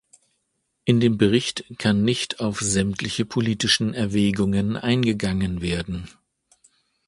In dem Bericht kann nicht auf sämtliche politischen Erwägungen eingegangen werden.